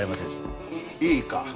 いいか？